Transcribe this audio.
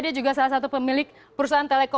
dia juga salah satu pemilik perusahaan teleko